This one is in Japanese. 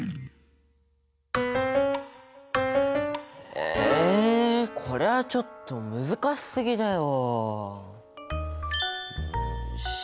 えこれはちょっと難しすぎだよ！